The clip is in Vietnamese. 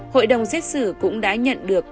hội đồng xét xử cũng đã nhận được